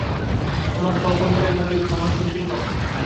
তোমার সহকর্মীদের মৌলিক সহানুভূতিশীল করো।